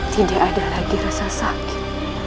tidak ada lagi rasa sakit